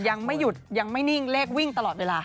ยังไม่หยุดยังไม่นิ่งเลขวิ่งตลอดเวลา